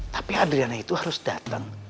tapi adriana itu harus datang